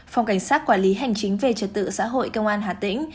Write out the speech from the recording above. phòng cảnh sát quản lý hành chính về trật tự xã hội công an hà tĩnh